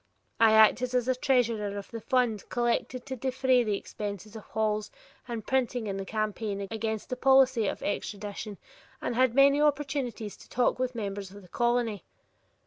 I acted as treasurer of the fund collected to defray the expenses of halls and printing in the campaign against the policy of extradition and had many opportunities to talk with members of the colony.